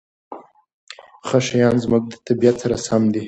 ښه شیان زموږ د طبیعت سره سم دي.